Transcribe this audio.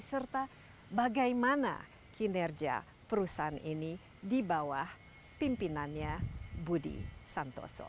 serta bagaimana kinerja perusahaan ini di bawah pimpinannya budi santoso